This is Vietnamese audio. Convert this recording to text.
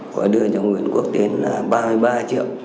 có đưa cho nguyễn quốc tiến ba mươi ba triệu